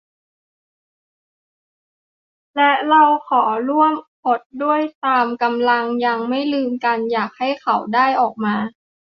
และเราขอร่วมอดด้วยตามกำลัง ยังไม่ลืมกัน อยากให้เขาได้ออกมา